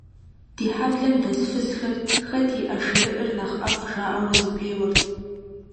Ди хьэблэм дэс фызхэр, «хэт и ӏэшырыӏыр нэхъ ӏэфӏ» жаӏэурэ зэпеуэрт.